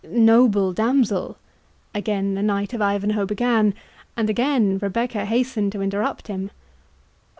"Noble damsel,"—again the Knight of Ivanhoe began; and again Rebecca hastened to interrupt him.